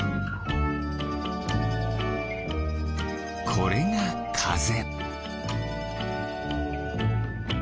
これがかぜ。